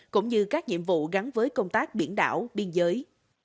cũng như các nhiệm vụ gắn với công tác biển đảo biên giới